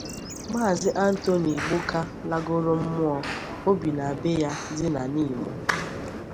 maazị Anthony Igboka lagoro mmụọ obì na be ya dị na Nimo